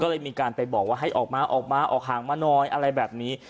ก็เลยมีการไปบอกว่าให้ออกมาออกมาออกห่างมาหน่อยอะไรแบบนี้